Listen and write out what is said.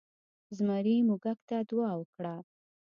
زمري موږک ته دعا وکړه.